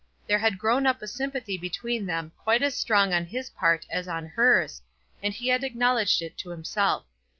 There had grown up a sympathy between them quite as strong on his part as on hers, and he had acknowledged it to himself.